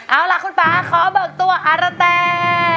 เอาล่ะคุณป่าขอเบิกตัวอาระแต